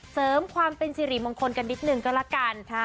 เสริมความเป็นสิริมงคลกันนิดนึงก็ละกัน